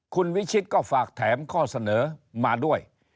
คุณวิชิตก็ฝากแถมข้อเสนอมาด้วย